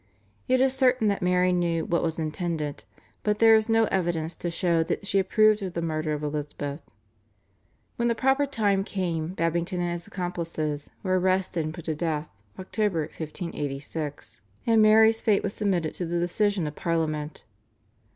It is certain that Mary knew what was intended, but there is no evidence to show that she approved of the murder of Elizabeth. When the proper time came Babington and his accomplices were arrested and put to death (October 1586), and Mary's fate was submitted to the decision of Parliament.